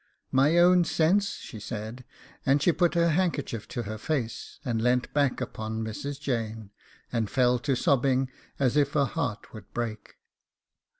'My own sense,' she said, and she put her handkerchief to her face, and leant back upon Mrs. Jane, and fell to sobbing as if her heart would break.